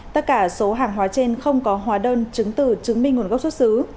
tất cả số hàng hóa trên không có hóa đơn chứng từ chứng minh nguồn gốc xuất xứ